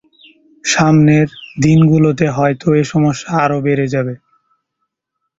সামনের দিনগুলোতে হয়তো এ সমস্যা আরও বেড়ে যাবে।